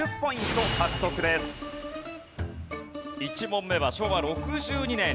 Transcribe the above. １問目は昭和６２年。